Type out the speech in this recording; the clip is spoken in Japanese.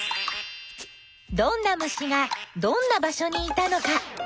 どんな虫がどんな場所にいたのか。